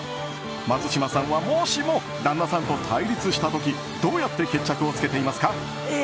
松嶋さんはもしも旦那さんと対立した時どうやって決着をつけていますか？